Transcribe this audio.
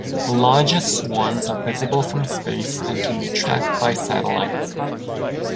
The largest swarms are visible from space and can be tracked by satellite.